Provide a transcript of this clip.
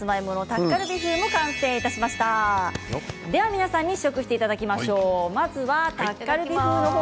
皆さんに試食していただきましょう。